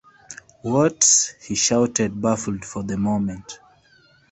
“What!” he shouted, baffled for the moment.